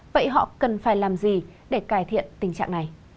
vậy họ cần phải làm gì để cải thiện tình trạng này